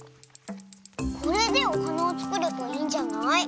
これでおはなをつくればいいんじゃない？